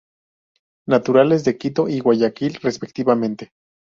Naturales de Quito y Guayaquil, respectivamente.